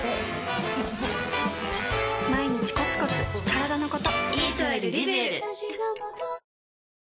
毎日コツコツからだのこと